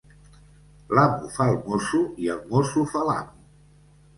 L'amo fa el mosso i el mosso fa l'amo.